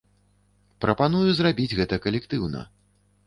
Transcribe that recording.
Прапаную зрабіць гэта калектыўна.